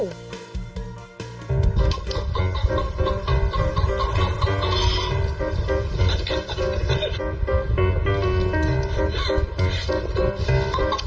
ว้าว